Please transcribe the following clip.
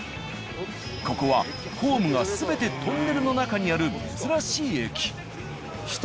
ここはホームが全てトンネルの中にある珍しい駅。